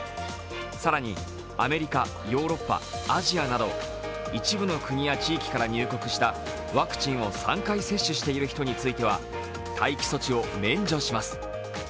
更にアメリカ、ヨーロッパアジアなど一部の国や地域から入国したワクチンを３回接種している人については待機措置を免除します。